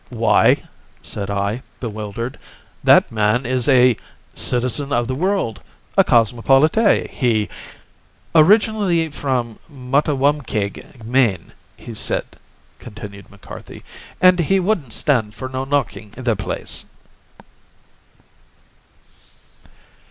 "Why," said I, bewildered, "that man is a citizen of the world—a cosmopolite. He—" "Originally from Mattawamkeag, Maine, he said," continued McCarthy, "and he wouldn't stand for no knockin' the place."